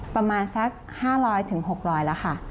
ประมาณสัก๕๐๐๖๐๐แล้วค่ะ